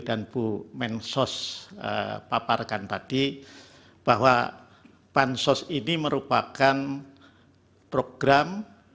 dan ibu menkos paparkan tadi bahwa pansos ini merupakan program